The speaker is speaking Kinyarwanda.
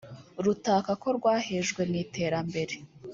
rutaka ko rwahejwe mu iterambere